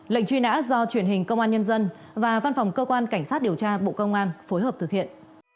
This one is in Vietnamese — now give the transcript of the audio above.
lệnh truy nã do truyền hình công an nhân dân và văn phòng cơ quan cảnh sát điều tra bộ công an phối hợp thực hiện